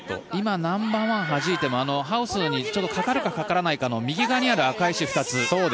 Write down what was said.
今、ナンバーワンをはじいてもハウスにかかるかかからないかの右側にある赤い石２つ。